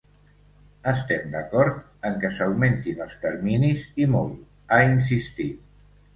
“Estem d’acord en que s’augmentin els terminis i molt”, ha insistit.